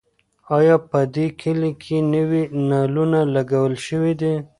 ایا په دې کلي کې نوي نلونه لګول شوي دي؟